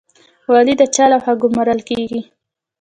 والي د چا لخوا ګمارل کیږي؟